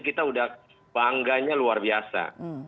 kita udah bangganya luar biasa